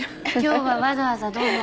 今日はわざわざどうも。